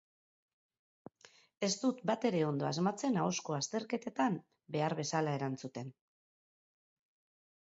Ez dut batere ondo asmatzen ahozko azterketetan behar bezala erantzuten.